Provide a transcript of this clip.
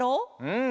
うん。